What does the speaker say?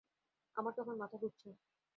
আমার তখন মাথা ঘুরছে।